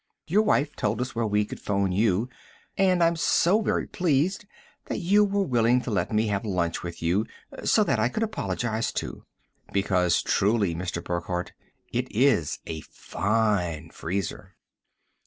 Your wife told us where we could phone you and I'm so very pleased that you were willing to let me have lunch with you, so that I could apologize, too. Because truly, Mr. Burckhardt, it is a fine freezer.